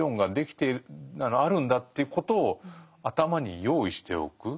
あるんだ」ということを頭に用意しておく。